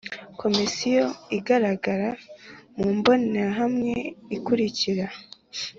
Komisiyo igaragara mu mbonerahamwe ikurikira